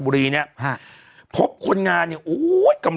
เบลล่าเบลล่าเบลล่า